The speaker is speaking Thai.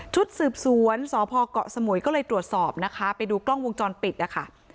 ชุดสืบสวนสพเกาะสมุยก็เลยตรวจสอบนะคะไปดูกล้องวงจรปิดนะคะ